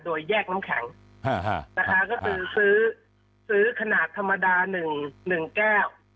โดยแยกน้ำแข็งนะคะก็คือซื้อซื้อขนาดธรรมดา๑แก้ว